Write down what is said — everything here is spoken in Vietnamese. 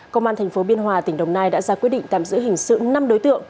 công an tp biên hòa tỉnh đồng nai đã ra quyết định tạm giữ hình sự năm đối tượng